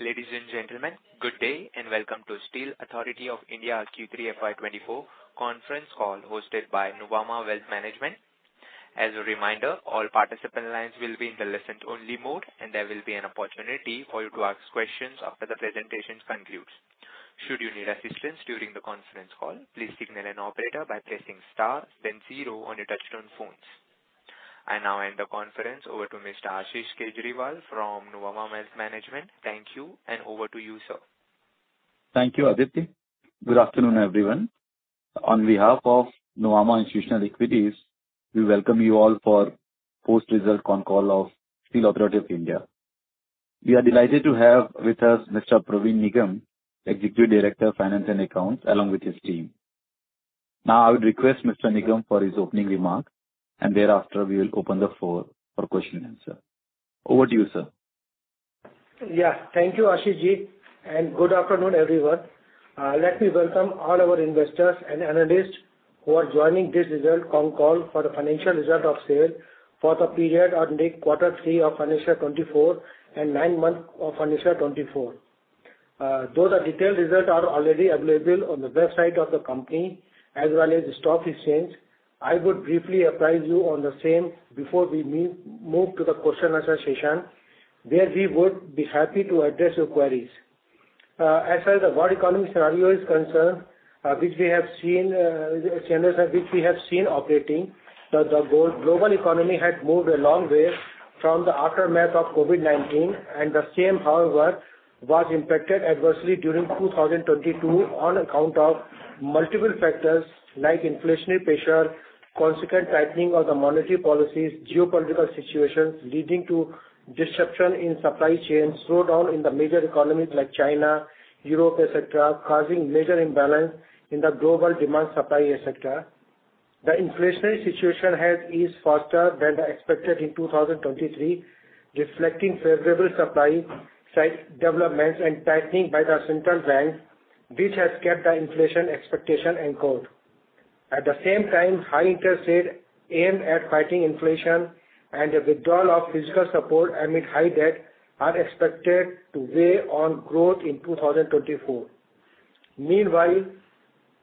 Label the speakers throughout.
Speaker 1: Ladies and gentlemen, good day, and welcome to Steel Authority of India Q3 FY 2024 conference call, hosted by Nuvama Wealth Management. As a reminder, all participant lines will be in the listen-only mode, and there will be an opportunity for you to ask questions after the presentation concludes. Should you need assistance during the conference call, please signal an operator by pressing star then zero on your touchtone phones. I now hand the conference over to Mr. Ashish Kejriwal from Nuvama Wealth Management. Thank you, and over to you, sir.
Speaker 2: Thank you, Aditi. Good afternoon, everyone. On behalf of Nuvama Institutional Equities, we welcome you all for post-result con call of Steel Authority of India. We are delighted to have with us Mr. Praveen Nigam, Executive Director of Finance and Accounts, along with his team. Now, I would request Mr. Nigam for his opening remarks, and thereafter, we will open the floor for question and answer. Over to you, sir.
Speaker 3: Yeah. Thank you, Ashish Ji, and good afternoon, everyone. Let me welcome all our investors and analysts who are joining this results con call for the financial results of SAIL for the period ending quarter three of financial 2024 and nine months of financial 2024. Though the detailed results are already available on the website of the company as well as the stock exchange, I would briefly apprise you on the same before we move to the question and answer session, where we would be happy to address your queries. As far as the world economy scenario is concerned, which we have seen operating, the global economy had moved a long way from the aftermath of COVID-19. The same, however, was impacted adversely during 2022 on account of multiple factors like inflationary pressure, consequent tightening of the monetary policies, geopolitical situations leading to disruption in supply chain, slowdown in the major economies like China, Europe, et cetera, causing major imbalance in the global demand supply et cetera. The inflationary situation has eased faster than the expected in 2023, reflecting favorable supply side developments and tightening by the central bank, which has kept the inflation expectation anchored. At the same time, high interest rates aimed at fighting inflation and the withdrawal of physical support amid high debt are expected to weigh on growth in 2024. Meanwhile,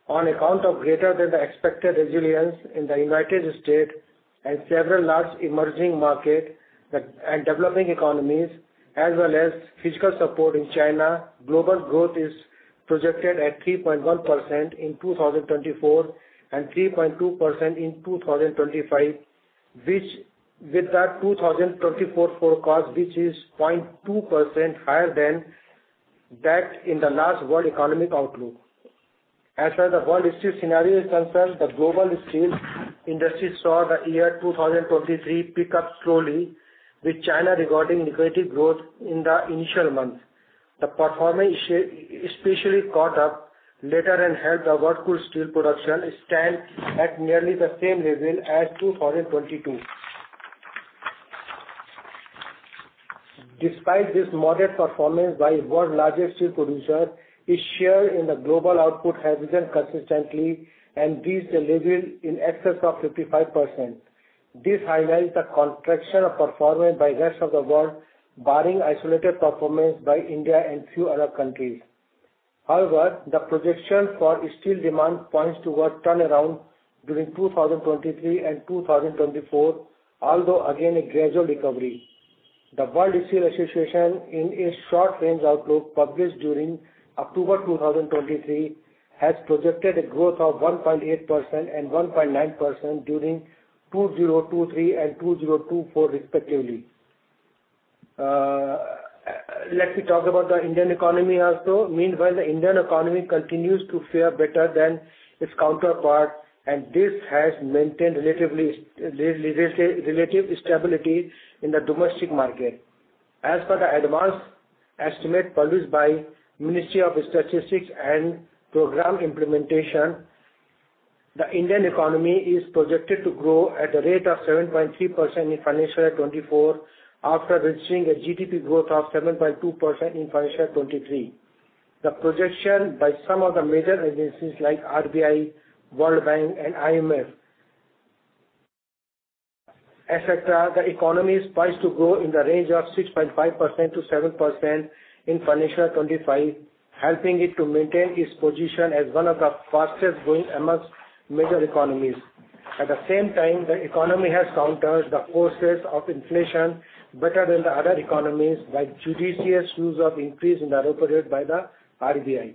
Speaker 3: on account of greater than the expected resilience in the United States and several large emerging market and developing economies, as well as fiscal support in China, global growth is projected at 3.1% in 2024 and 3.2% in 2025, which with the 2024 forecast, which is 0.2% higher than that in the last World Economic Outlook. As far as the world steel scenario is concerned, the global steel industry saw the year 2023 pick up slowly, with China recording negative growth in the initial months. The performance especially caught up later and helped the world crude steel production stand at nearly the same level as 2022. Despite this modest performance by world's largest steel producer, its share in the global output has risen consistently and reached a level in excess of 55%. This highlights the contraction of performance by rest of the world, barring isolated performance by India and few other countries. However, the projection for steel demand points towards turnaround during 2023 and 2024, although again, a gradual recovery. The World Steel Association, in its short range outlook, published during October 2023, has projected a growth of 1.8% and 1.9% during 2023 and 2024, respectively. Let me talk about the Indian economy also. Meanwhile, the Indian economy continues to fare better than its counterpart, and this has maintained relative stability in the domestic market. As per the advanced estimate published by Ministry of Statistics and Programme Implementation, the Indian economy is projected to grow at a rate of 7.3% in financial year 2024, after registering a GDP growth of 7.2% in financial year 2023. The projection by some of the major agencies like RBI, World Bank and IMF, etc., the economy is poised to grow in the range of 6.5%-7% in financial 2025, helping it to maintain its position as one of the fastest growing amongst major economies. At the same time, the economy has countered the forces of inflation better than the other economies by judicious use of increase in the repo rate by the RBI.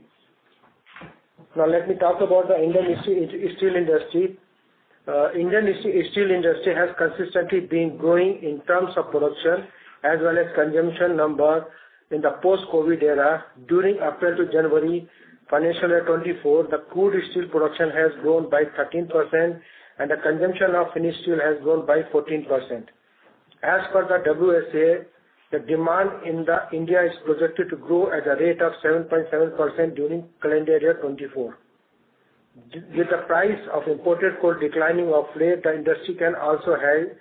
Speaker 3: Now, let me talk about the Indian steel industry. Indian steel industry has consistently been growing in terms of production as well as consumption number in the post-COVID era. During April to January, financial year 2024, the crude steel production has grown by 13%, and the consumption of finished steel has grown by 14%. As per the WSA, the demand in the India is projected to grow at a rate of 7.7% during calendar year 2024. With the price of imported coal declining of late, the industry can also have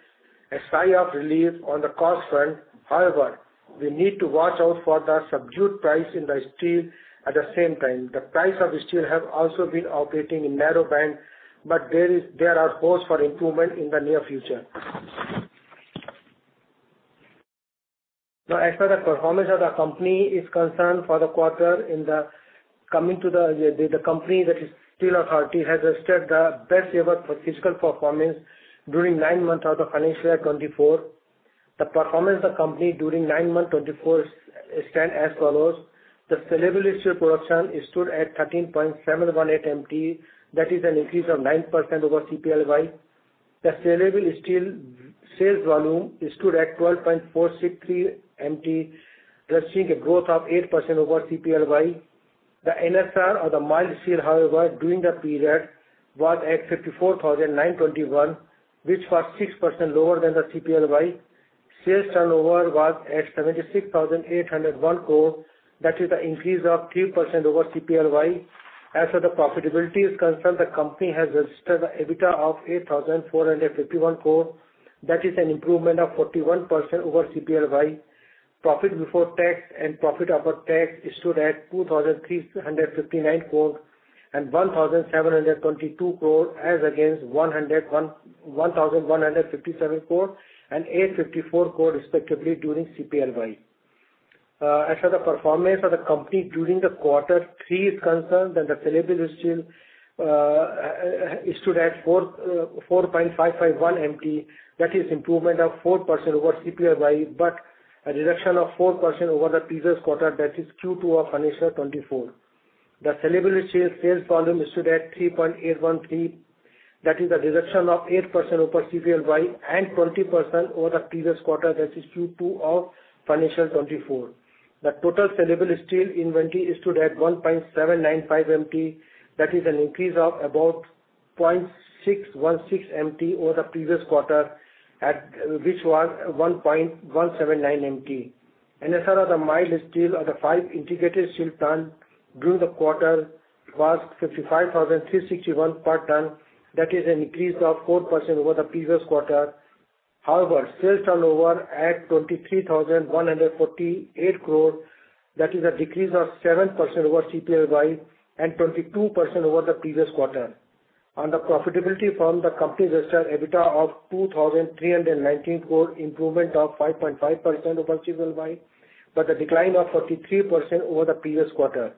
Speaker 3: a sigh of relief on the cost front. However, we need to watch out for the subdued price in the steel at the same time. The price of steel have also been operating in narrow band, but there are hopes for improvement in the near future. Now, as for the performance of the company is concerned for the quarter, coming to the company that is Steel Authority has registered the best ever fiscal performance during nine months of the financial 2024. The performance of the company during nine months 2024 stand as follows: The saleable steel production stood at 13.718 MT. That is an increase of 9% over CPLY. The saleable steel sales volume stood at 12.463 MT, thus seeing a growth of 8% over CPLY. The NSR or the mild steel, however, during the period was at 54,921, which was 6% lower than the CPLY. Sales turnover was at 76,801 crore. That is an increase of 3% over CPLY. As for the profitability is concerned, the company has registered an EBITDA of 8,451 crore. That is an improvement of 41% over CPLY. Profit before tax and profit after tax stood at 2,359 crore and 1,722 crore, as against 1,157 crore and 854 crore, respectively, during CPLY. As for the performance of the company during the quarter three is concerned, the saleable steel stood at 4.551 MT. That is improvement of 4% over CPLY, but a reduction of 4% over the previous quarter, that is Q2 of financial 2024. The saleable steel sales volume stood at 3.813 MT. That is a reduction of 8% over CPLY and 20% over the previous quarter, that is Q2 of financial 2024. The total saleable steel inventory stood at 1.795 MT. That is an increase of about 0.616 MT over the previous quarter, which was 1.179 MT. And as far as the MS realization for the five integrated steel plants during the quarter was 55,361 per ton. That is an increase of 4% over the previous quarter. However, sales turnover at 23,148 crore, that is a decrease of 7% over CPLY and 22% over the previous quarter. On the profitability front, the company registered EBITDA of 2,319 crore, improvement of 5.5% over CPLY, but a decline of 33% over the previous quarter.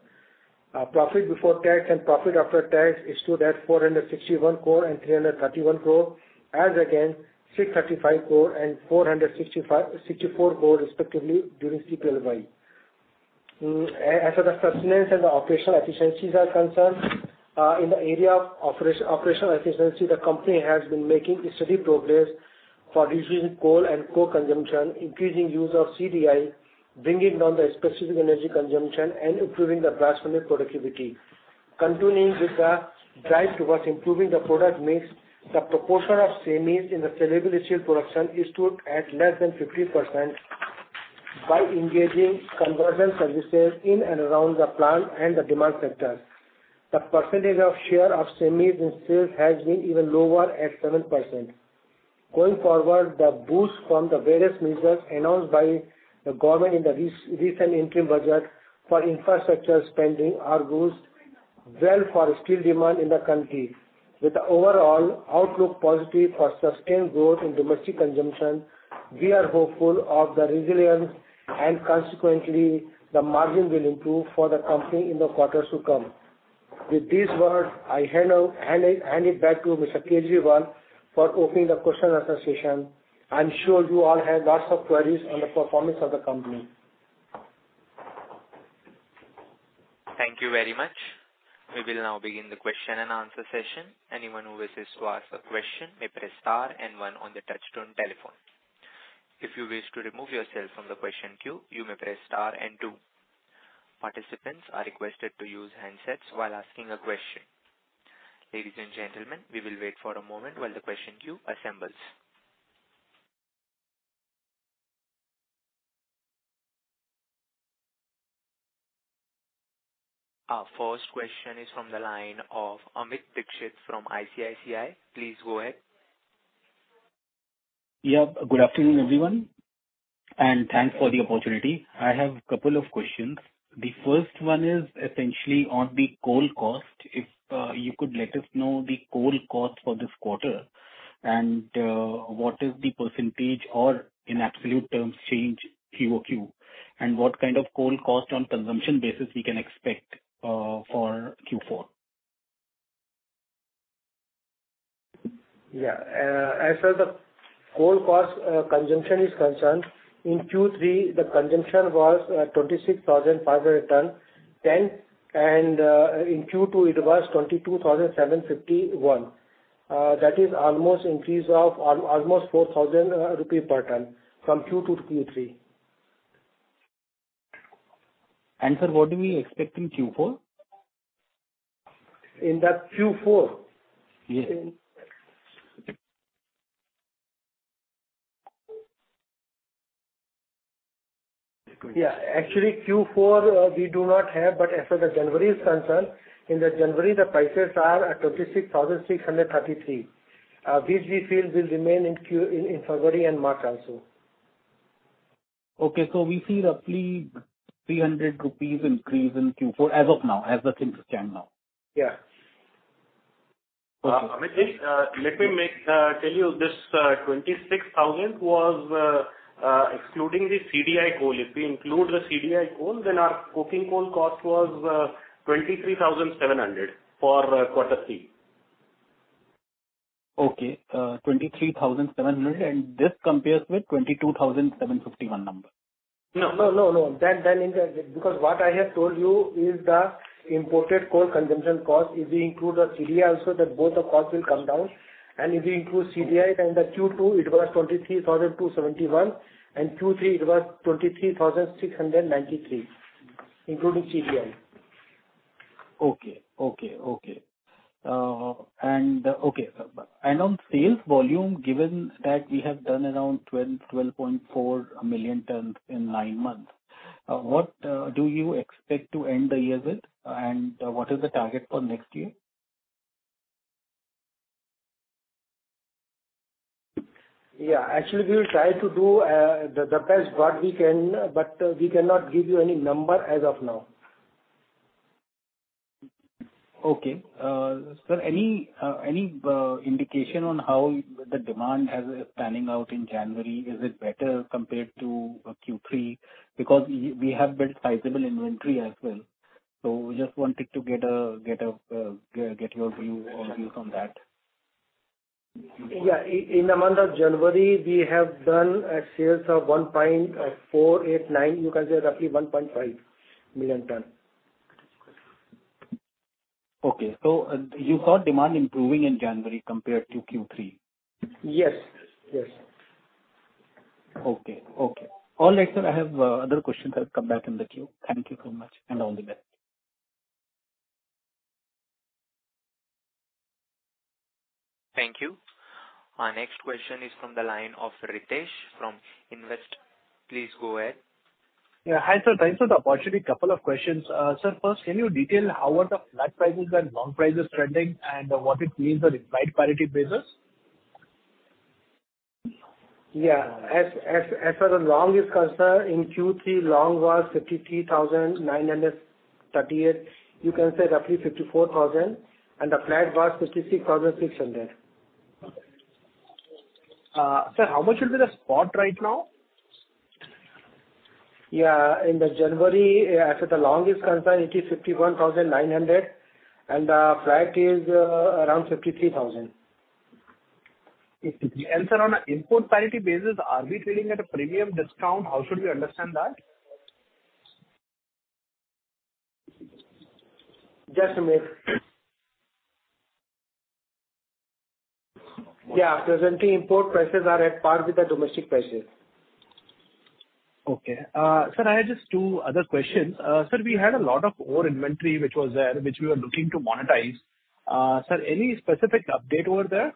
Speaker 3: Our profit before tax and profit after tax stood at 461 crore and 331 crore, as against 635 crore and 464 crore, respectively, during CPLY. As for the sustenance and the operational efficiencies are concerned, in the area of operational efficiency, the company has been making steady progress for reducing coal and coke consumption, increasing use of CDI, bringing down the specific energy consumption and improving the transformer productivity. Continuing with the drive towards improving the product mix, the proportion of semis in the saleable steel production has stood at less than 50% by engaging conversion services in and around the plant and the demand centers. The percentage of share of semis in sales has been even lower at 7%. Going forward, the boost from the various measures announced by the Government in the recent Interim Budget for infrastructure spending is a boost for steel demand in the country. With the overall outlook positive for sustained growth in domestic consumption, we are hopeful of the resilience and consequently, the margin will improve for the company in the quarters to come. With these words, I hand it back to Mr. Kejriwal for opening the question and answer session. I'm sure you all have lots of queries on the performance of the company.
Speaker 1: Thank you very much. We will now begin the question and answer session. Anyone who wishes to ask a question may press star and one on the touchtone telephone. If you wish to remove yourself from the question queue, you may press star and two. Participants are requested to use handsets while asking a question. Ladies and gentlemen, we will wait for a moment while the question queue assembles. Our first question is from the line of Amit Dixit from ICICI. Please go ahead.
Speaker 4: Yeah, good afternoon, everyone, and thanks for the opportunity. I have a couple of questions. The first one is essentially on the coal cost. If you could let us know the coal cost for this quarter, and what is the percentage or in absolute terms, change QoQ? And what kind of coal cost on consumption basis we can expect for Q4?
Speaker 3: Yeah. As far as the coal cost consumption is concerned, in Q3, the consumption was 26,510 tons, and in Q2, it was 22,751 tons. That is almost an increase of almost 4,000 rupee per ton from Q2-Q3.
Speaker 4: Sir, what do we expect in Q4?
Speaker 3: In the Q4?
Speaker 4: Yes.
Speaker 3: Yeah. Actually, Q4, we do not have, but as for the January is concerned, in the January, the prices are at 26,333, which we feel will remain in February and March also....
Speaker 4: Okay, so we see roughly 300 rupees increase in Q4 as of now, as the things stand now?
Speaker 3: Yeah.
Speaker 4: Okay.
Speaker 3: Amitji, let me tell you this, 26,000 was excluding the CDI coal. If we include the CDI coal, then our coking coal cost was 23,700 for quarter three.
Speaker 4: Okay, 23,700, and this compares with 22,751 number?
Speaker 3: No, no, no, that then because what I have told you is the imported coal consumption cost. If we include the CDI also, then both the costs will come down. And if we include CDI, then the Q2, it was 23,271, and Q3 it was 23,693, including CDI.
Speaker 4: On sales volume, given that we have done around 12 million tons, 12.4 million tons in nine months, what do you expect to end the year with, and what is the target for next year?
Speaker 3: Yeah, actually, we will try to do the best what we can, but we cannot give you any number as of now.
Speaker 4: Okay. Sir, any indication on how the demand has panning out in January? Is it better compared to Q3? Because we have built sizable inventory as well. So we just wanted to get your view or views on that.
Speaker 3: Yeah. In the month of January, we have done a sales of 1.489 million tons. You can say roughly 1.5 million tons.
Speaker 4: Okay. You saw demand improving in January compared to Q3?
Speaker 3: Yes. Yes.
Speaker 4: Okay. Okay. All right, sir, I have other questions. I'll come back in the queue. Thank you so much, and all the best.
Speaker 1: Thank you. Our next question is from the line of Ritesh from Investec. Please go ahead.
Speaker 5: Yeah. Hi, sir, thanks for the opportunity. Couple of questions. Sir, first, can you detail how are the flat prices and long prices trending and what it means on import parity basis?
Speaker 3: Yeah. As far as long is concerned, in Q3, long was 53,938. You can say roughly 54,000, and the flat was 56,600.
Speaker 5: Okay. Sir, how much will be the spot right now?
Speaker 3: Yeah, in the January, as far as the long is concerned, it is 51,900, and the flat is around 53,000.
Speaker 5: Sir, on an import parity basis, are we trading at a premium discount? How should we understand that?
Speaker 3: Just a minute. Yeah, presently import prices are at par with the domestic prices.
Speaker 5: Okay. Sir, I have just two other questions. Sir, we had a lot of ore inventory, which was there, which we were looking to monetize. Sir, any specific update over there?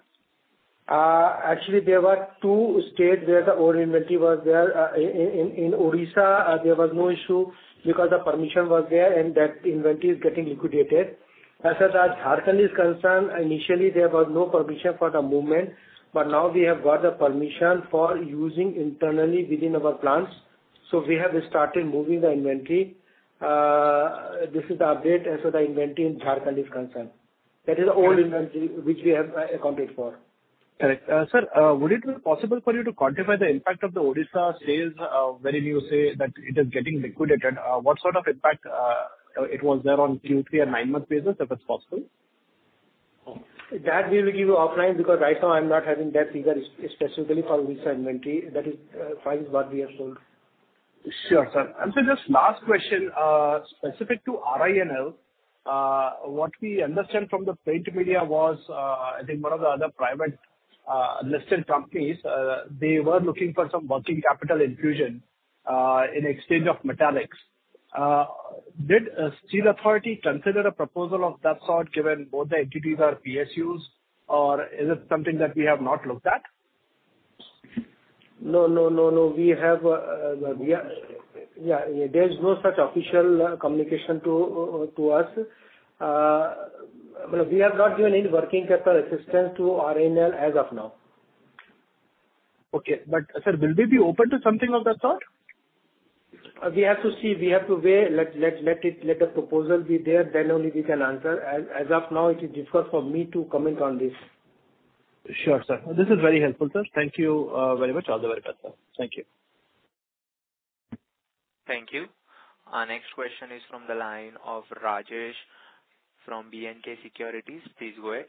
Speaker 3: Actually, there were two states where the ore inventory was there. In Odisha, there was no issue because the permission was there and that inventory is getting liquidated. As far as Jharkhand is concerned, initially there was no permission for the movement, but now we have got the permission for using internally within our plants. So we have started moving the inventory. This is the update as far as the inventory in Jharkhand is concerned. That is the old inventory which we have accounted for.
Speaker 5: Correct. Sir, would it be possible for you to quantify the impact of the Odisha sales, wherein you say that it is getting liquidated? What sort of impact it was there on Q3 and nine-month basis, if it's possible?
Speaker 3: That we will give you offline, because right now I'm not having that figure specifically for Odisha inventory. That is, finds what we have sold.
Speaker 5: Sure, sir. And so just last question, specific to RINL. What we understand from the print media was, I think one of the other private listed companies, they were looking for some working capital infusion in exchange of metallics. Did Steel Authority consider a proposal of that sort, given both the entities are PSUs, or is it something that we have not looked at?
Speaker 3: No, no, no, no. We have. Yeah, yeah, there's no such official communication to us. Well, we have not given any working capital assistance to RINL as of now.
Speaker 5: Okay. But sir, will we be open to something of that sort?
Speaker 3: We have to see. We have to wait. Let's let the proposal be there, then only we can answer. As of now, it is difficult for me to comment on this.
Speaker 5: Sure, sir. This is very helpful, sir. Thank you, very much. All the very best, sir. Thank you.
Speaker 1: Thank you. Our next question is from the line of Rajesh, from B&K Securities. Please go ahead.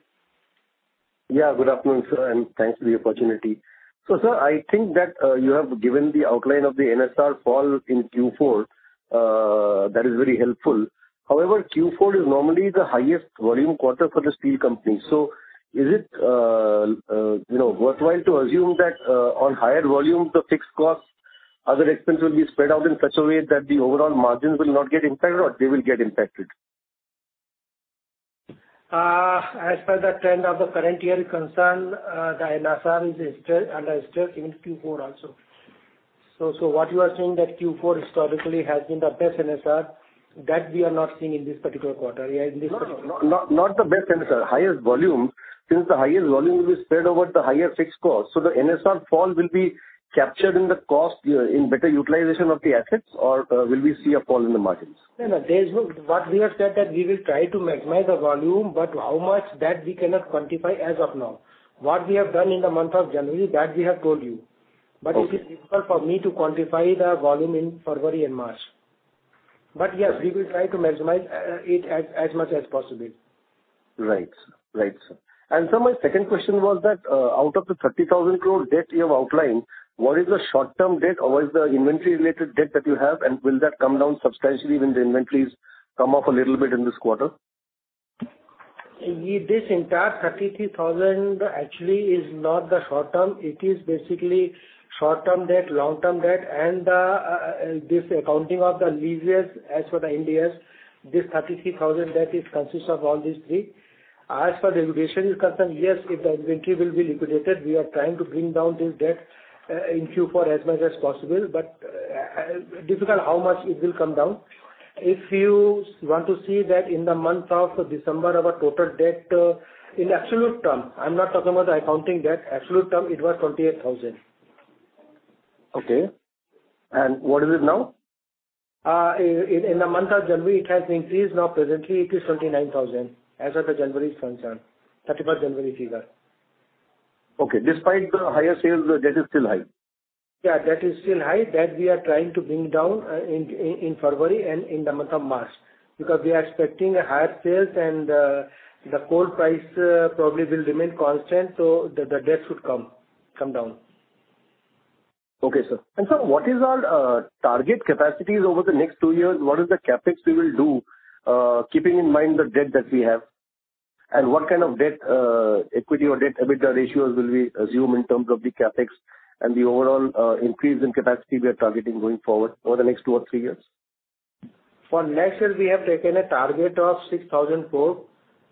Speaker 6: Yeah, good afternoon, sir, and thanks for the opportunity. So, sir, I think that, you have given the outline of the NSR fall in Q4. That is very helpful. However, Q4 is normally the highest volume quarter for the steel company. So is it, you know, worthwhile to assume that, on higher volume, the fixed costs, other expenses will be spread out in such a way that the overall margins will not get impacted or they will get impacted? ...
Speaker 3: As per the trend of the current year is concerned, the NSR is still under stress in Q4 also. So what you are saying that Q4 historically has been the best NSR, that we are not seeing in this particular quarter, yeah, in this particular-
Speaker 6: Not, not, not the best NSR. Highest volume, since the highest volume will be spread over the higher fixed cost. So the NSR fall will be captured in the cost, in better utilization of the assets or, will we see a fall in the margins?
Speaker 3: What we have said that we will try to maximize the volume, but how much that we cannot quantify as of now. What we have done in the month of January, that we have told you.
Speaker 6: Okay.
Speaker 3: But it is difficult for me to quantify the volume in February and March. But yes, we will try to maximize it as much as possible.
Speaker 6: Right. Right, sir. And so my second question was that, out of the 30,000 crore debt you have outlined, what is the short-term debt or what is the inventory-related debt that you have? And will that come down substantially when the inventories come off a little bit in this quarter?
Speaker 3: This entire 33,000 actually is not the short term. It is basically short-term debt, long-term debt, and, this accounting of the leases as per the Ind AS. This 33,000 debt is consists of all these three. As per the liquidation is concerned, yes, if the inventory will be liquidated, we are trying to bring down this debt, in Q4 as much as possible, but, difficult how much it will come down. If you want to see that in the month of December, our total debt, in absolute term, I'm not talking about the accounting debt, absolute term, it was 28,000.
Speaker 6: Okay. What is it now?
Speaker 3: In the month of January, it has increased. Now, presently it is 29,000, as of the January is concerned. 31st January figure.
Speaker 6: Okay. Despite the higher sales, the debt is still high?
Speaker 3: Yeah, debt is still high. That we are trying to bring down in February and in the month of March, because we are expecting a higher sales and the coal price probably will remain constant, so the debt should come down.
Speaker 6: Okay, sir. And sir, what is our target capacities over the next two years? What is the CapEx we will do, keeping in mind the debt that we have? And what kind of debt, equity or debt, EBITDA ratios will we assume in terms of the CapEx and the overall increase in capacity we are targeting going forward over the next two or three years?
Speaker 3: For next year, we have taken a target of 6,000 crore.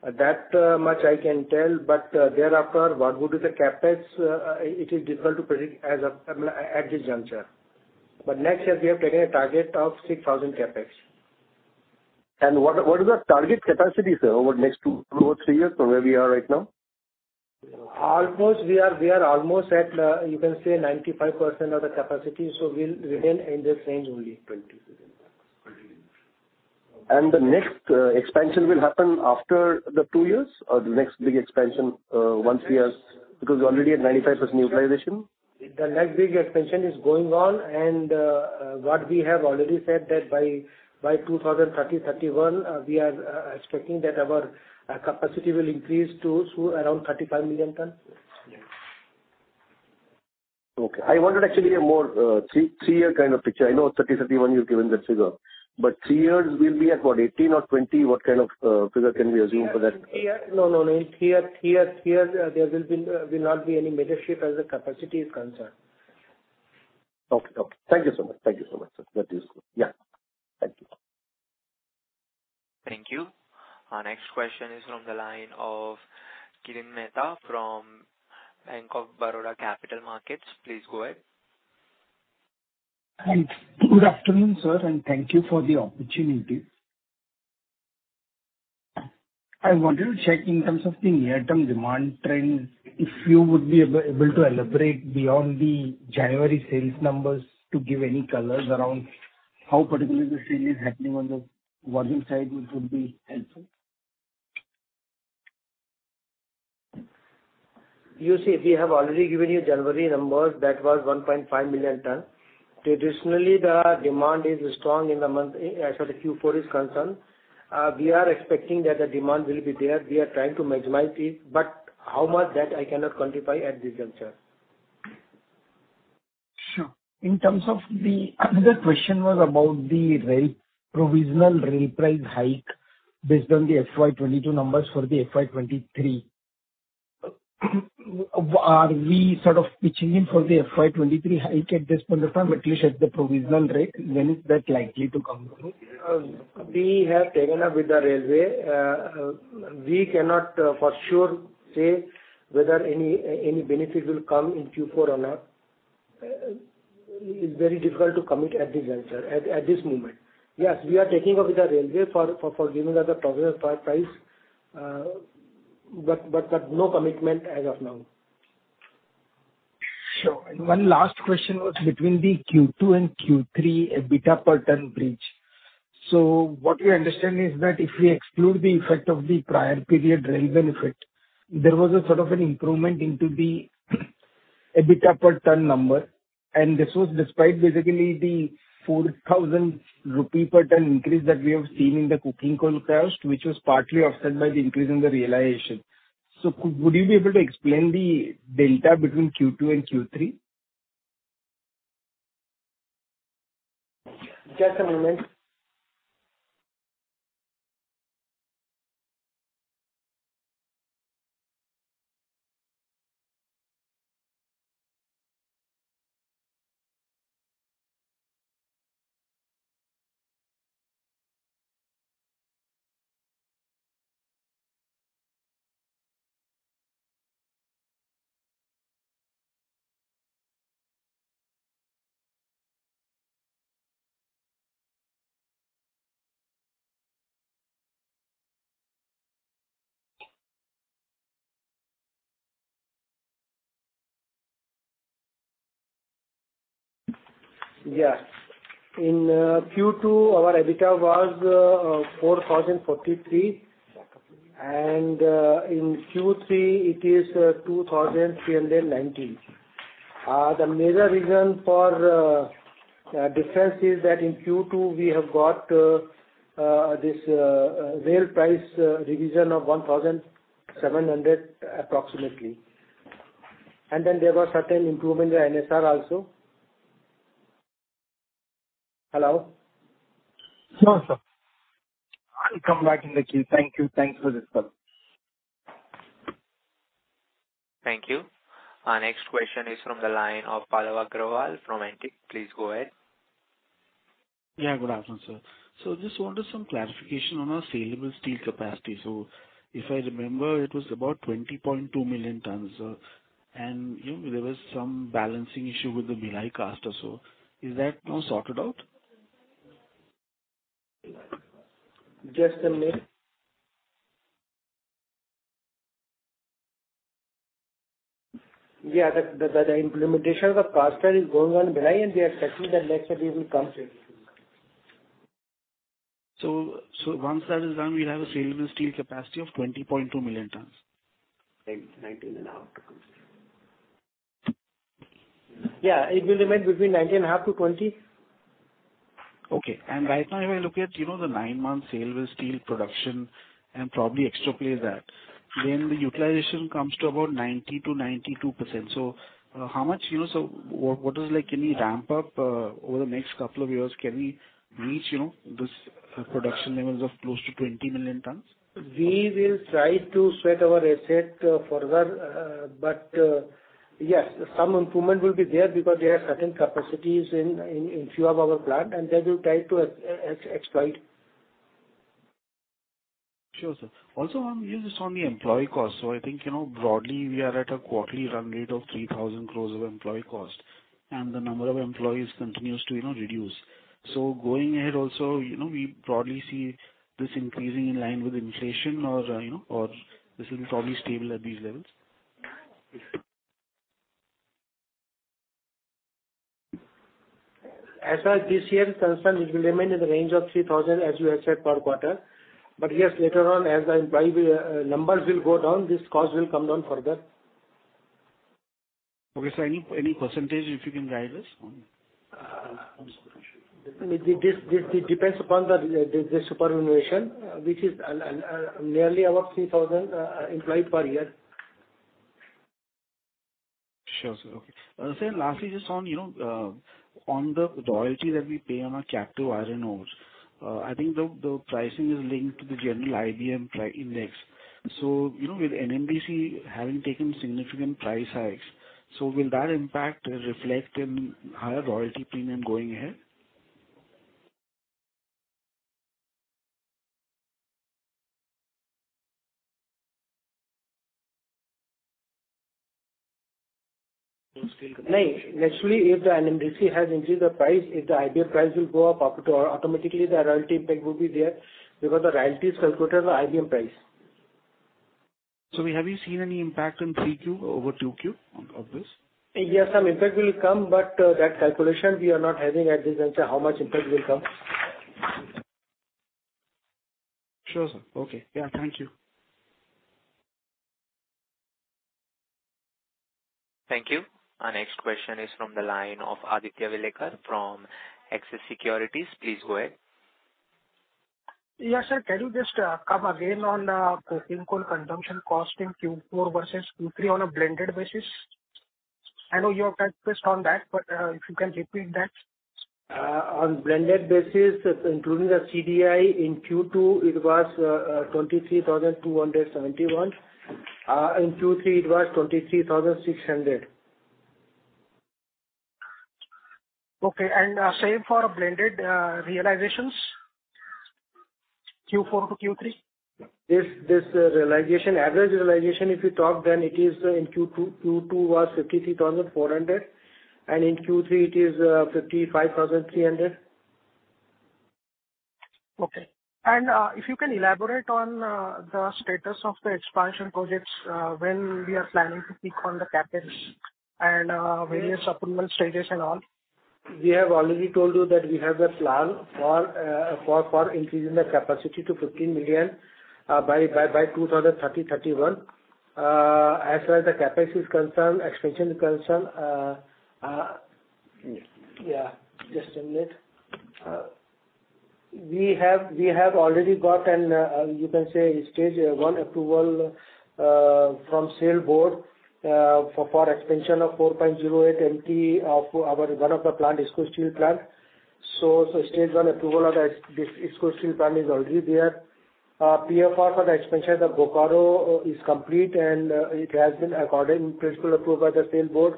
Speaker 3: That much I can tell, but thereafter, what would be the CapEx, it is difficult to predict as of at this juncture. But next year we have taken a target of 6,000 crore CapEx.
Speaker 6: What are the target capacities, sir, over the next two or three years from where we are right now?
Speaker 3: We are almost at, you can say, 95% of the capacity, so we'll remain in this range only.
Speaker 6: The next expansion will happen after two years or the next big expansion, once we are... Because we're already at 95% utilization.
Speaker 3: The next big expansion is going on and what we have already said that by 2030-2031 we are expecting that our capacity will increase to around 35 million tons.
Speaker 6: Okay. I wanted actually a more, three-year kind of picture. I know 2030, 2031, you've given that figure, but three years will be about 18 million tons or 20 million tons. What kind of figure can we assume for that?
Speaker 3: No, no, no. Three years, three years, three years, there will be, will not be any major shift as the capacity is concerned.
Speaker 6: Okay. Okay. Thank you so much. Thank you so much, sir. That is good.
Speaker 3: Yeah.
Speaker 6: Thank you.
Speaker 1: Thank you. Our next question is from the line of Kirtan Mehta from Bank of Baroda Capital Markets. Please go ahead.
Speaker 7: Thanks. Good afternoon, sir, and thank you for the opportunity. I wanted to check in terms of the near-term demand trends, if you would be able to elaborate beyond the January sales numbers to give any colors around how particularly the sale is happening on the volume side, it would be helpful.
Speaker 3: You see, we have already given you January numbers. That was 1.5 million tons. Traditionally, the demand is strong in the month... as far as Q4 is concerned. We are expecting that the demand will be there. We are trying to maximize it, but how much that I cannot quantify at this juncture.
Speaker 7: Sure. In terms of the... Another question was about the rail, provisional rail price hike based on the FY 2022 numbers for the FY 2023. Are we sort of pitching in for the FY 2023 hike at this point of time, at least at the provisional rate? When is that likely to come through?
Speaker 3: We have taken up with the Railways. We cannot for sure say whether any benefit will come in Q4 or not. It's very difficult to commit at this juncture, at this moment. Yes, we are taking up with the Railways for giving us a provisional price, but no commitment as of now.
Speaker 7: Sure. And one last question was between the Q2 and Q3, EBITDA per ton bridge. So what we understand is that if we exclude the effect of the prior period rail benefit, there was a sort of an improvement into the EBITDA per ton number, and this was despite basically the 4,000 rupee per ton increase that we have seen in the coking coal price, which was partly offset by the increase in the realization. So would you be able to explain the delta between Q2 and Q3?
Speaker 1: Just a moment....
Speaker 3: Yes. In Q2, our EBITDA was 4,043, and in Q3, it is 2,319. The major reason for difference is that in Q2, we have got this rail price revision of 1,700, approximately. And then there were certain improvements in NSR also. Hello?
Speaker 7: Sure, sir. I'll come back in the queue. Thank you. Thanks for this call.
Speaker 1: Thank you. Our next question is from the line of Pallav Agarwal from Antique. Please go ahead.
Speaker 8: Yeah, good afternoon, sir. So just wanted some clarification on our saleable steel capacity. So if I remember, it was about 20.2 million tons, and, you know, there was some balancing issue with the Bhilai caster, so is that now sorted out?
Speaker 3: Just a minute. Yeah, the implementation of the caster is going on Bhilai, and we are expecting that next quarter will come to it.
Speaker 8: Once that is done, we'll have a saleable steel capacity of 20.2 million tons?
Speaker 9: 19.5 million -20 million tons.
Speaker 3: Yeah, it will remain between 19.5 million tons -20 million tons.
Speaker 8: Okay. Right now, if I look at, you know, the nine-month saleable steel production and probably extrapolate that, then the utilization comes to about 90%-92%. So how much, you know, so what is like any ramp up over the next couple of years? Can we reach, you know, this production levels of close to 20 million tons?
Speaker 3: We will try to sweat our asset further, but yes, some improvement will be there because there are certain capacities in few of our plant, and they will try to exploit.
Speaker 8: Sure, sir. Also, on, just on the employee cost. So I think, you know, broadly, we are at a quarterly run rate of 3,000 crore of employee cost, and the number of employees continues to, you know, reduce. So going ahead also, you know, we broadly see this increasing in line with inflation or, you know, or this will be probably stable at these levels?
Speaker 3: As far as this year is concerned, it will remain in the range of 3,000 crore, as you said, per quarter. But yes, later on, as the employee numbers will go down, this cost will come down further.
Speaker 8: Okay, so any percentage if you can guide us on?
Speaker 3: This it depends upon the superannuation, which is nearly about 3,000 employee per year.
Speaker 8: Sure, sir. Okay. Sir, lastly, just on, you know, on the royalty that we pay on our captive iron ore, I think the, the pricing is linked to the general IBM price index. So, you know, with NMDC having taken significant price hikes, so will that impact reflect in higher royalty premium going ahead?
Speaker 3: No. Naturally, if the NMDC has increased the price, if the IBM price will go up to automatically the royalty impact will be there because the royalty is calculated on the IBM price.
Speaker 8: Have you seen any impact on 3Q over 2Q on this?
Speaker 3: Yes, some impact will come, but that calculation we are not having at this juncture, how much impact will come.
Speaker 8: Sure, sir. Okay. Yeah, thank you.
Speaker 1: Thank you. Our next question is from the line of Aditya Welekar from Axis Securities. Please go ahead.
Speaker 10: Yes, sir. Can you just come again on coking coal consumption cost in Q4 versus Q3 on a blended basis? I know you have touched based on that, but if you can repeat that.
Speaker 3: On blended basis, including the CDI in Q2, it was 23,271. In Q3, it was 23,600.
Speaker 10: Okay, and same for blended realizations, Q4-Q3?
Speaker 3: average realization, if you talk, then it is in Q2. Q2 was 53,400, and in Q3 it is 55,300.
Speaker 10: Okay. And if you can elaborate on the status of the expansion projects, when we are planning to peak on the CapEx and various approval stages and all?
Speaker 3: We have already told you that we have the plan for increasing the capacity to 15 million by 2030, 2031. As well the CapEx is concerned, expansion is concerned, just a minute. We have already got an, you can say, stage one approval from SAIL Board for expansion of 4.08 MT of our one of the plant, IISCO Steel Plant. So stage one approval of the IISCO Steel Plant is already there. PFR for the expansion of Bokaro is complete and it has been accorded in-principle approval by the SAIL Board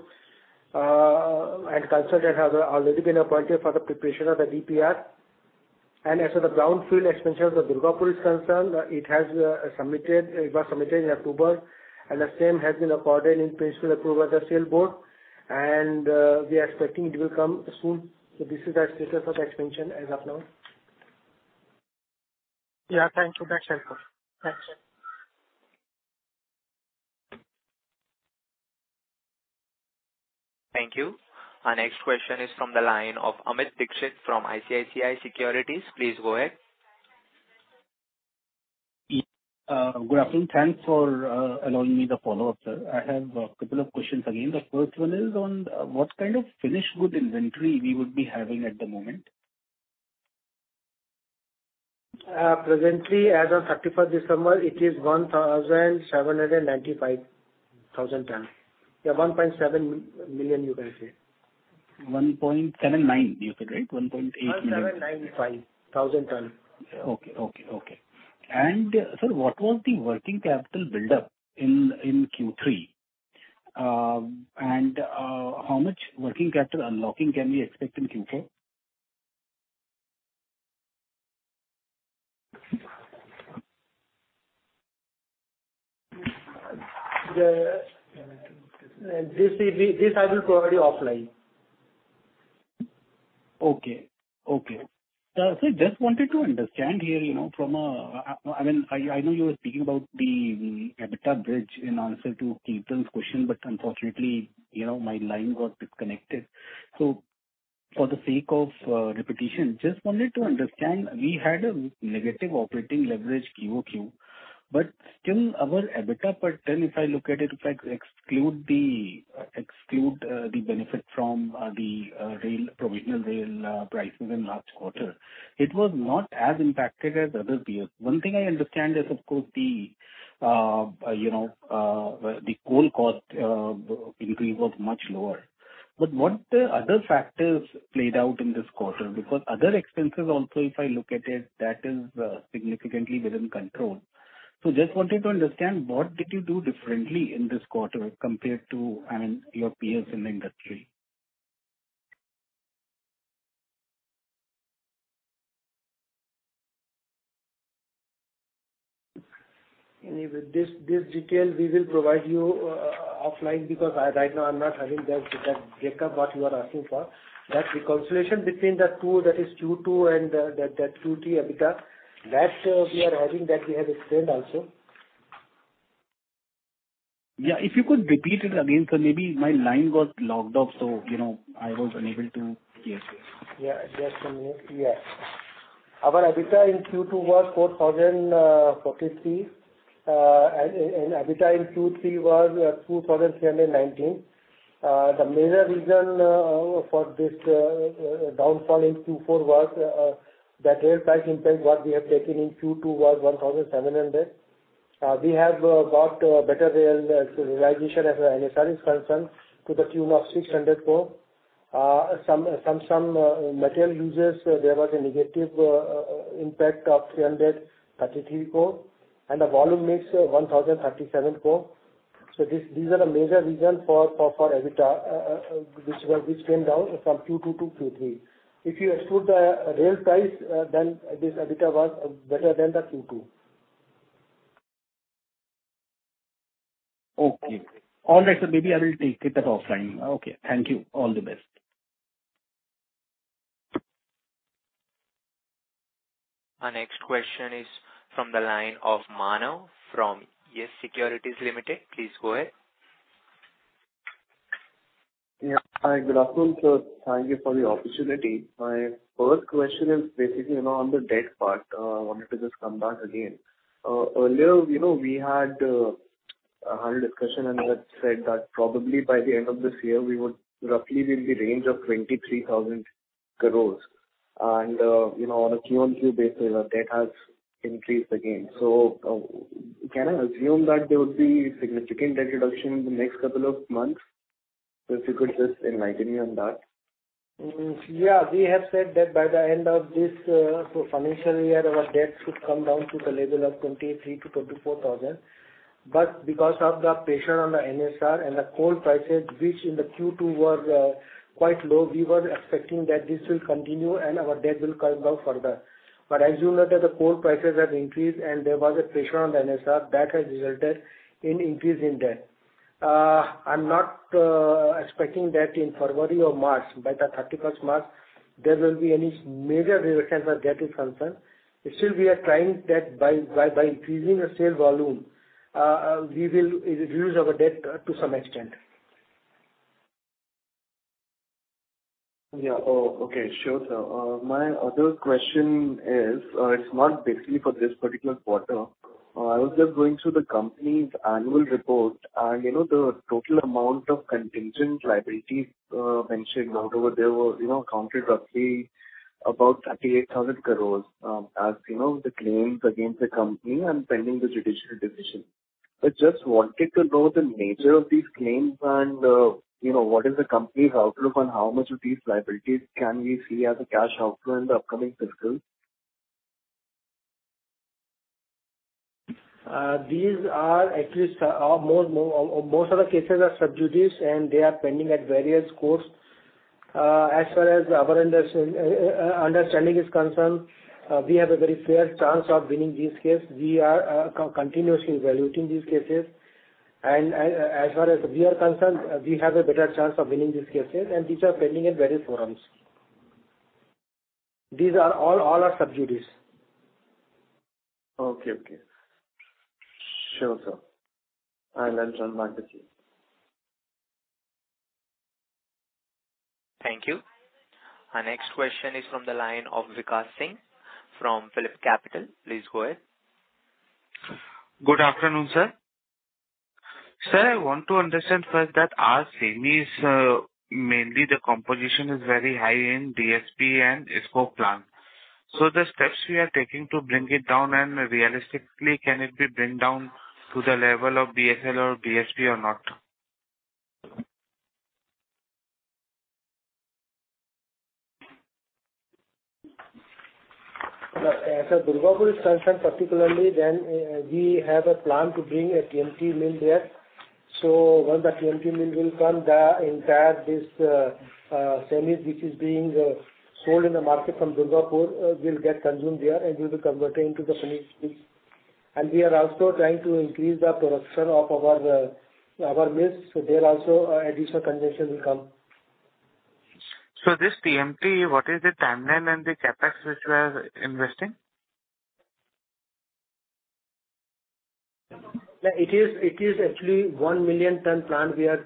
Speaker 3: and consultant has already been appointed for the preparation of the DPR. As for the greenfield expansion of the Durgapur is concerned, it was submitted in October, and the same has been accorded in-principle approval by the SAIL board, and we are expecting it will come soon. This is the status of the expansion as of now.
Speaker 10: Yeah, thank you. That's helpful. Thanks.
Speaker 1: Thank you. Our next question is from the line of Amit Dixit from ICICI Securities. Please go ahead.
Speaker 4: Yeah. Good afternoon. Thanks for allowing me the follow-up, sir. I have a couple of questions again. The first one is on what kind of finished good inventory we would be having at the moment?
Speaker 3: Presently, as of 31st December, it is 1,795,000 tons. Yeah, 1.7 million, you can say.
Speaker 4: 1.79 million, you said, right? 1.8 million.
Speaker 3: 1,795,000 tons.
Speaker 4: Okay, okay, okay. And sir, what was the working capital buildup in Q3? And how much working capital unlocking can we expect in Q4?
Speaker 3: This, I will provide you offline.
Speaker 4: Okay, okay. So just wanted to understand here, you know, from a... I mean, I know you were speaking about the EBITDA bridge in answer to Keaton's question, but unfortunately, you know, my line got disconnected. So for the sake of repetition, just wanted to understand, we had a negative operating leverage QoQ, but still our EBITDA per ton, if I look at it, if I exclude the benefit from the rail provisional rail prices in last quarter, it was not as impacted as other peers. One thing I understand is, of course, the, you know, the coal cost increase was much lower. But what other factors played out in this quarter? Because other expenses also, if I look at it, that is significantly within control. Just wanted to understand, what did you do differently in this quarter compared to, I mean, your peers in the industry?
Speaker 3: This, this detail we will provide you offline, because I, right now I'm not having that, that breakup what you are asking for. That reconciliation between the two, that is Q2 and the Q3 EBITDA, that we are having, that we have explained also.
Speaker 4: Yeah, if you could repeat it again, sir, maybe my line was logged off, so, you know, I was unable to hear you.
Speaker 3: Yeah, just a minute. Yeah. Our EBITDA in Q2 was 4,043 crore and EBITDA in Q3 was 2,319 crore. The major reason for this downfall in Q4 was that rail price impact what we have taken in Q2 was 1,700 crore. We have got better rail realization as NSR is concerned, to the tune of 600 crore. Some material uses, there was a negative impact of 333 crore, and the volume mix 1,037 crore. So these are the major reasons for EBITDA which came down from Q2-Q3. If you exclude the rail price, then this EBITDA was better than the Q2.
Speaker 4: Okay. All right, so maybe I will take it up offline. Okay. Thank you. All the best.
Speaker 1: Our next question is from the line of Manav from YES SECURITIES Limited. Please go ahead.
Speaker 11: Yeah. Hi, good afternoon, sir. Thank you for the opportunity. My first question is basically, you know, on the debt part. I wanted to just come back again. Earlier, you know, we had a discussion, and you had said that probably by the end of this year, we would roughly be in the range of 23,000 crore. And, you know, on a QoQ basis, our debt has increased again. So, can I assume that there will be significant debt reduction in the next couple of months? If you could just enlighten me on that.
Speaker 3: Yeah, we have said that by the end of this, so financial year, our debt should come down to the level of 23,000-24,000. But because of the pressure on the NSR and the coal prices, which in the Q2 were quite low, we were expecting that this will continue and our debt will come down further. But as you know that the coal prices have increased and there was a pressure on the NSR, that has resulted in increase in debt. I'm not expecting that in February or March, by the 31st March, there will be any major reductions as debt is concerned. It should be a time that by increasing the sale volume, we will reduce our debt to some extent.
Speaker 11: Yeah. Oh, okay. Sure, sir. My other question is, it's not basically for this particular quarter. I was just going through the company's annual report, and, you know, the total amount of contingent liabilities, mentioned over there were, you know, counted roughly about 38,000 crore. As you know, the claims against the company and pending the judicial decision.... I just wanted to know the nature of these claims and, you know, what is the company's outlook on how much of these liabilities can we see as a cash outflow in the upcoming fiscal?
Speaker 3: These are actually most of the cases are sub judice, and they are pending at various courts. As far as our understanding is concerned, we have a very fair chance of winning this case. We are continuously evaluating these cases, and as far as we are concerned, we have a better chance of winning these cases, and these are pending in various forums. These are all sub judice.
Speaker 11: Okay. Okay. Sure, sir. I'll then turn back to you.
Speaker 1: Thank you. Our next question is from the line of Vikash Singh from PhillipCapital. Please go ahead.
Speaker 12: Good afternoon, sir. Sir, I want to understand first that our semi is mainly the composition is very high in DSP and IISCO plant. So the steps we are taking to bring it down, and realistically, can it be bring down to the level of BSL or BSP or not?
Speaker 3: As far as Durgapur is concerned, particularly, then we have a plan to bring a TMT mill there. So once the TMT mill will come, the entire this, semi which is being sold in the market from Durgapur, will get consumed there and will be converted into the finished goods. And we are also trying to increase the production of our, our mills, so there also, additional consumption will come.
Speaker 12: This TMT, what is the timeline and the CapEx which you are investing?
Speaker 3: Yeah, it is, it is actually 1 million ton plant we are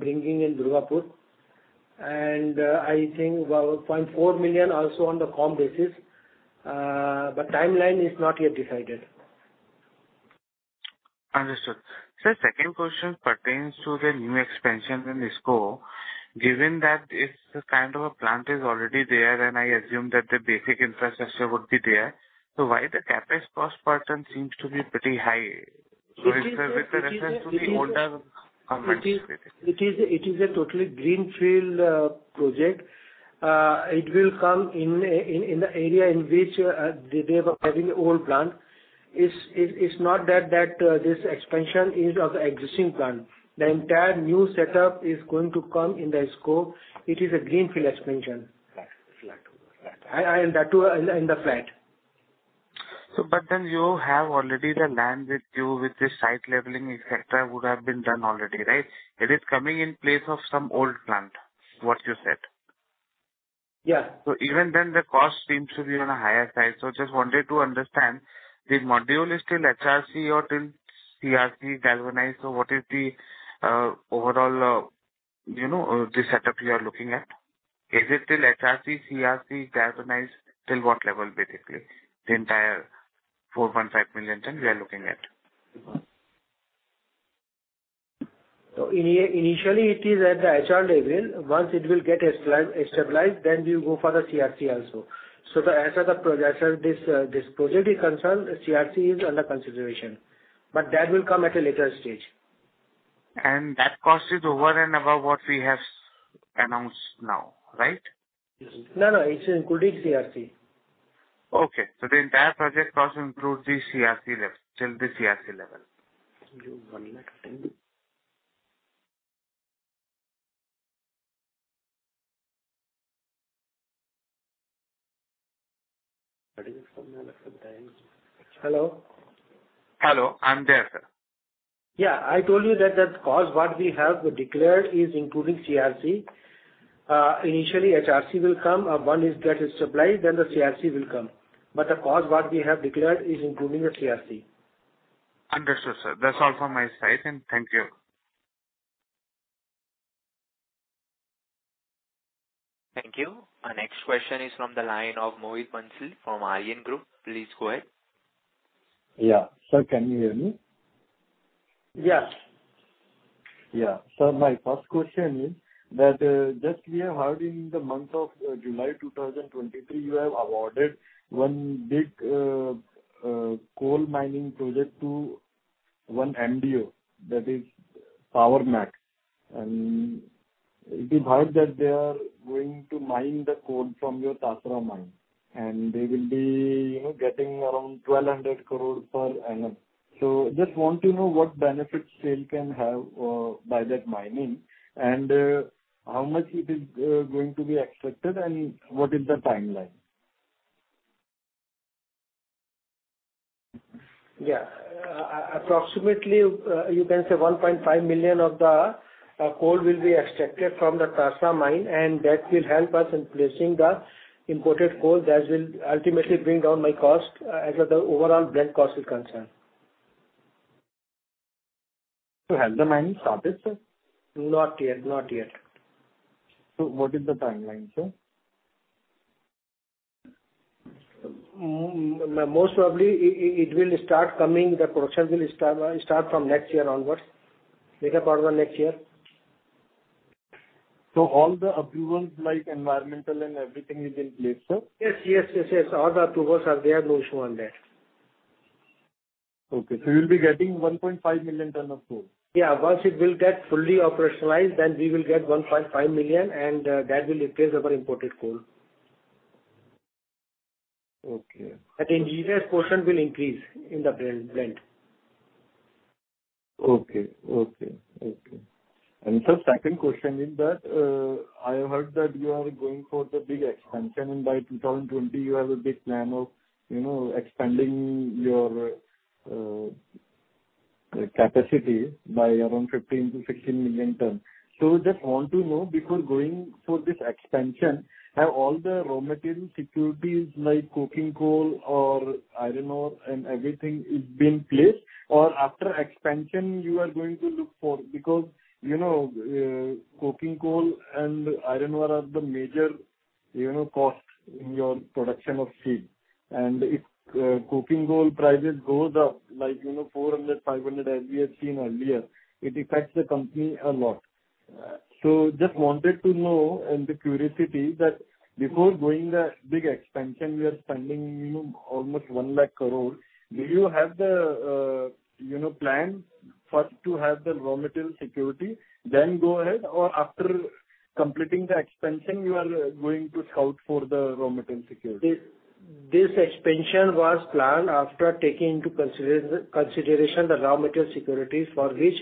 Speaker 3: bringing in Durgapur, and I think about 0.4 million also on the COM basis. But timeline is not yet decided.
Speaker 12: Understood. Sir, second question pertains to the new expansion in IISCO. Given that if this kind of a plant is already there, then I assume that the basic infrastructure would be there. So why the CapEx cost per ton seems to be pretty high with reference to the older comments?
Speaker 3: It is a totally greenfield project. It will come in the area in which they were having the old plant. It's not that this expansion is of the existing plant. The entire new setup is going to come in the IISCO. It is a greenfield expansion.
Speaker 9: Right. Flat.
Speaker 3: That too, in the flat.
Speaker 12: But then you have already the land with you, with the site leveling, etcetera, would have been done already, right? It is coming in place of some old plant, what you said.
Speaker 3: Yeah.
Speaker 12: Even then, the cost seems to be on a higher side. Just wanted to understand, the module is still HRC or still CRC galvanized? What is the overall, you know, the setup you are looking at? Is it still HRC, CRC, galvanized, till what level, basically, the entire 4.5 million ton we are looking at?
Speaker 3: So initially, it is at the HRC level. Once it will get stabilized, then we go for the CRC also. So as of the project, as this project is concerned, CRC is under consideration, but that will come at a later stage.
Speaker 12: That cost is over and above what we have announced now, right?
Speaker 3: No, no, it's including CRC.
Speaker 12: Okay. The entire project cost includes the CRC level, till the CRC level.
Speaker 3: Hello?
Speaker 12: Hello, I'm there, sir.
Speaker 3: Yeah, I told you that the cost what we have declared is including CRC. Initially, HRC will come. Once that is supplied, then the CRC will come. But the cost what we have declared is including the CRC.
Speaker 12: Understood, sir. That's all from my side, and thank you.
Speaker 1: Thank you. Our next question is from the line of Mohit Bhansali from Aryan Group. Please go ahead.
Speaker 13: Yeah. Sir, can you hear me?
Speaker 3: Yes.
Speaker 13: Yeah. So my first question is that, just we have heard in the month of July 2023, you have awarded one big coal mining project to one MDO, that is, Power Mech. And it is heard that they are going to mine the coal from your Tasra mine, and they will be, you know, getting around 1,200 crore per annum. So just want to know what benefits they can have by that mining, and how much it is going to be extracted and what is the timeline?
Speaker 3: Yeah. Approximately, you can say 1.5 million of the coal will be extracted from the Tasra mine, and that will help us in placing the imported coal. That will ultimately bring down my cost as the overall blend cost is concerned.
Speaker 13: So has the mining started, sir?
Speaker 3: Not yet. Not yet.
Speaker 13: What is the timeline, sir?
Speaker 3: Most probably, it will start coming... The production will start, start from next year onwards. Second quarter next year. ...
Speaker 13: So all the approvals like environmental and everything is in place, sir?
Speaker 3: Yes, yes, yes, yes. All the approvals are there, no issue on that.
Speaker 13: Okay. So you'll be getting 1.5 million tons of coal?
Speaker 3: Yeah. Once it will get fully operationalized, then we will get 1.5 million, and that will replace our imported coal.
Speaker 13: Okay.
Speaker 3: Indigenous portion will increase in the blend.
Speaker 13: Okay. Okay, okay. And sir, second question is that, I heard that you are going for the big expansion, and by 2020 you have a big plan of, you know, expanding your, capacity by around 15 million ton-16 million ton. So just want to know, before going for this expansion, have all the raw material securities like coking coal or iron ore and everything is being placed, or after expansion you are going to look for? Because, you know, coking coal and iron ore are the major, you know, costs in your production of steel. And if, coking coal prices goes up, like, you know, $400-$500, as we have seen earlier, it affects the company a lot. Just wanted to know and the curiosity that before doing the big expansion, we are spending, you know, almost 100,000 crore, do you have the, you know, plan first to have the raw material security, then go ahead, or after completing the expansion, you are going to scout for the raw material security?
Speaker 3: This expansion was planned after taking into consideration the raw material securities, for which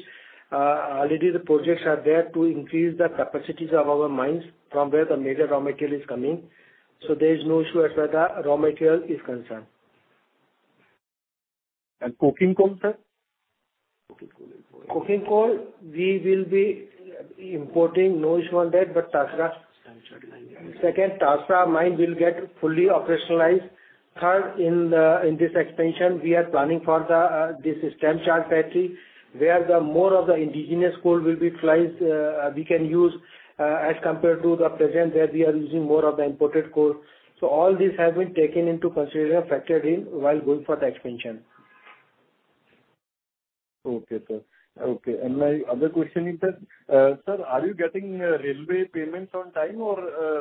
Speaker 3: already the projects are there to increase the capacities of our mines from where the major raw material is coming. So there is no issue as far as the raw material is concerned.
Speaker 13: Coking coal, sir? Coking coal.
Speaker 3: Coking coal, we will be importing, no issue on that, but Tasra. Second, Tasra mine will get fully operationalized. Third, in this expansion, we are planning for this stamp charge battery, where the more of the indigenous coal will be, we can use, as compared to the present, where we are using more of the imported coal. So all these have been taken into consideration, factored in while going for the expansion.
Speaker 13: Okay, sir. Okay, and my other question is that, sir, are you getting Railways payments on time? Or,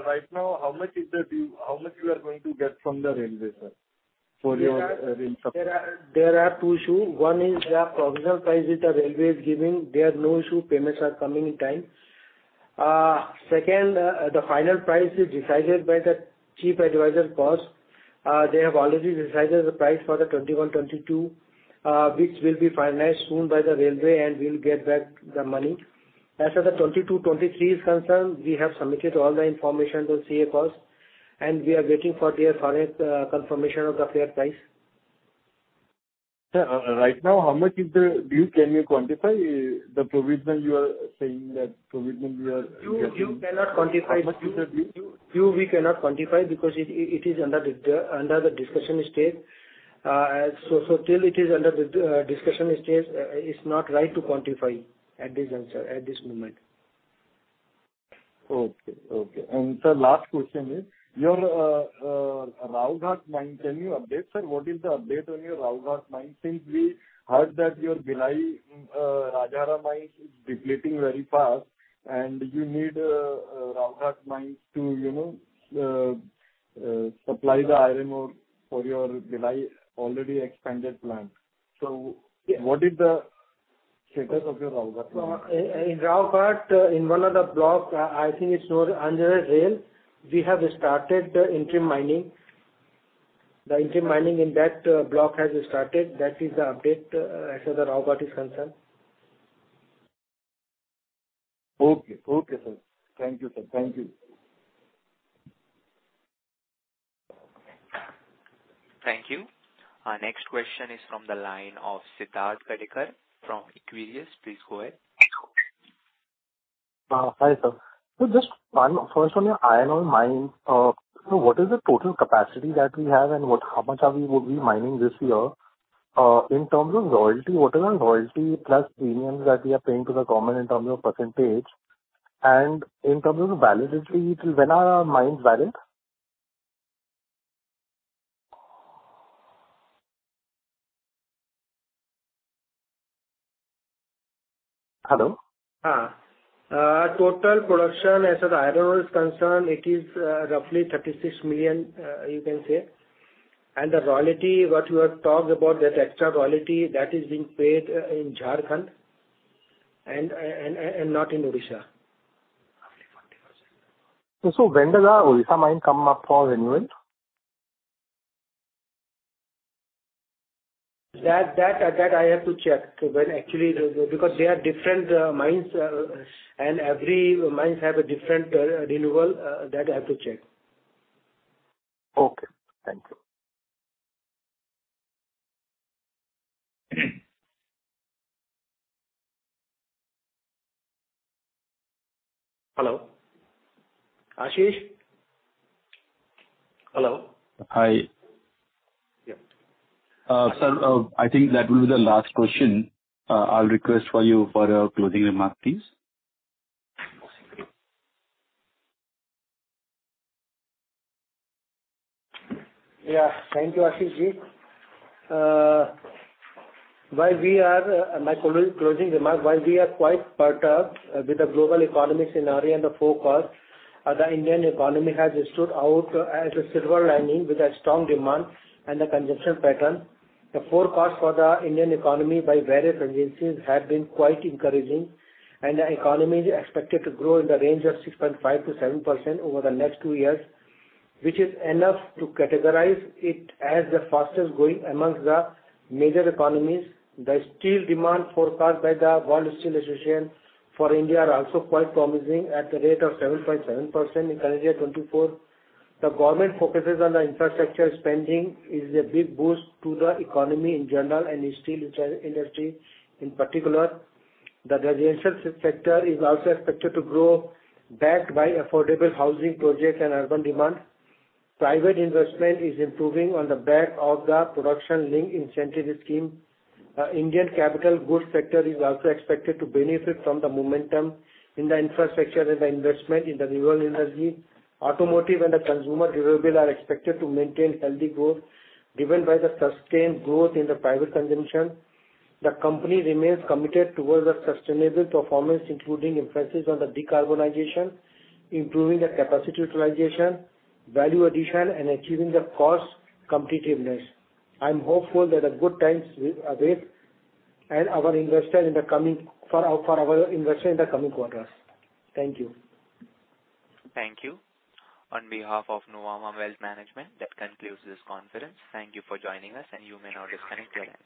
Speaker 13: right now, how much is the due - how much you are going to get from the Railways, sir, for your-
Speaker 3: There are two issues. One is the provisional price that the Railways is giving. There are no issues, payments are coming in time. Second, the final price is decided by the Chief Adviser Cost. They have already decided the price for the 2021-2022, which will be finalized soon by the Railways, and we'll get back the money. As for the 2022-2023 is concerned, we have submitted all the information to CA Cost, and we are waiting for their final confirmation of the fair price.
Speaker 13: Sir, right now, how much is the due? Can you quantify the provision you are saying that provision we are getting-
Speaker 3: We cannot quantify.
Speaker 13: How much is the due?
Speaker 3: We cannot quantify because it is under the discussion stage. So, till it is under the discussion stage, it's not right to quantify at this answer, at this moment.
Speaker 13: Okay, okay. Sir, last question is your Rowghat mine. Can you update, sir? What is the update on your Rowghat mine? Since we heard that your Bhilai Rajhara mine is depleting very fast, and you need Rowghat mine to, you know, supply the iron ore for your Bhilai already expanded plant. So what is the status of your Rowghat mine?
Speaker 3: In Rowghat, in one of the blocks, I think it's under a rail. We have started the interim mining. The interim mining in that block has started. That is the update, as per the Rowghat is concerned.
Speaker 13: Okay. Okay, sir. Thank you, sir. Thank you.
Speaker 1: Thank you. Our next question is from the line of Siddharth Gadekar from Equirus. Please go ahead.
Speaker 14: Hi, sir. So just one first on your iron ore mine. So what is the total capacity that we have, and what, how much are we mining this year? In terms of royalty, what are our royalty plus premiums that we are paying to the Government in terms of percentage? And in terms of validity, when are our mines valid? Hello?
Speaker 3: Total production as the iron ore is concerned, it is roughly 36 million, you can say. And the royalty, what you have talked about, that extra royalty, that is being paid in Jharkhand and not in Odisha.
Speaker 14: When does our Odisha mine come up for renewal?
Speaker 3: That I have to check. When actually... Because they are different, mines, and every mines have a different, renewal, that I have to check.
Speaker 14: Okay, thank you.
Speaker 3: Hello, Ashish? Hello.
Speaker 2: Hi.
Speaker 3: Yeah.
Speaker 2: Sir, I think that will be the last question. I'll request for you for a closing remark, please.
Speaker 3: Yeah. Thank you, Ashish-ji. My closing remark, while we are quite perturbed with the global economy scenario and the forecast, the Indian economy has stood out as a silver lining with a strong demand and the consumption pattern. The forecast for the Indian economy by various agencies have been quite encouraging, and the economy is expected to grow in the range of 6.5%-7% over the next two years, which is enough to categorize it as the fastest growing amongst the major economies. The steel demand forecast by the World Steel Association for India are also quite promising, at the rate of 7.7% in current year 2024. The Government focuses on the infrastructure spending is a big boost to the economy in general and the steel industry in particular. The residential sector is also expected to grow, backed by affordable housing projects and urban demand. Private investment is improving on the back of the production-linked incentive scheme. Indian capital goods sector is also expected to benefit from the momentum in the infrastructure and the investment in the renewable energy. Automotive and the consumer durable are expected to maintain healthy growth, driven by the sustained growth in the private consumption. The company remains committed towards the sustainable performance, including emphasis on the decarbonization, improving the capacity utilization, value addition, and achieving the cost competitiveness. I'm hopeful that the good times await for our investors in the coming quarters. Thank you.
Speaker 1: Thank you. On behalf of Nuvama Wealth Management, that concludes this conference. Thank you for joining us, and you may now disconnect your line.